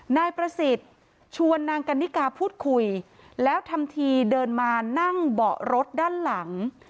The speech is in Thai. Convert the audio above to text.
นายประสิทธิ์ชวนนางกันนิกาพูดคุยแล้วทำทีเดินมานั่งเบาะรถด้านหลัง